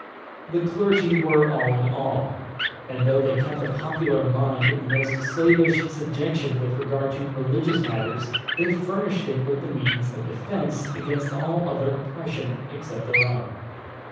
The clergy were all in all; and though they kept the popular mind in the most slavish subjection with regard to religious matters, they furnished it with the means of defence against all other oppression except their own.